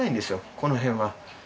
この辺は。